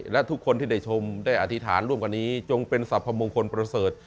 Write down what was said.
และทุกคนที่ได้ชมได้อธิษฐานร่วมกันนี้จงเป็นสรรพมงคลประเสริฐ